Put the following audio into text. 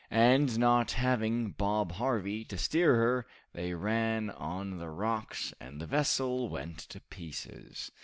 "And not having Bob Harvey to steer her, they ran on the rocks, and the vessel went to pieces."